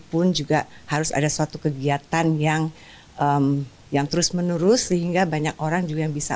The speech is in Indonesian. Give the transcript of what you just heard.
pun juga harus ada suatu kegiatan yang yang terus menerus sehingga banyak orang juga yang bisa